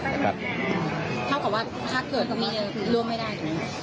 เท่ากับว่าถ้าเกิดกับมีเนื้อคือร่วมให้ได้ไหม